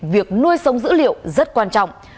việc nuôi sống dữ liệu rất quan trọng